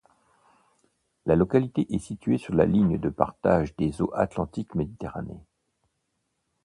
La localité est située sur la ligne de partage des eaux Atlantique-Méditerranée.